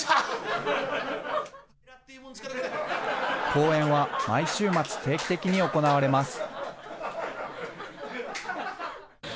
公演は毎週末、定期的に行われます。